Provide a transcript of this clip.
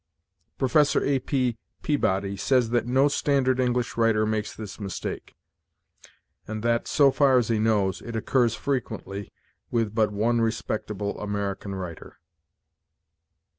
Professor A. P. Peabody says that no standard English writer makes this mistake, and that, so far as he knows, it occurs frequently with but one respectable American writer.